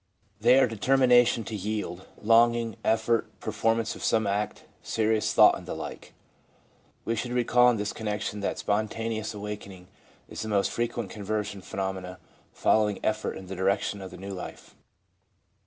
They are determination to yield, longing, effort, per formance of some act, serious thought, and the like. We should recall in this connection that spontaneous awak ening is the most frequent conversion phenomenon following effort in the direction of the new life.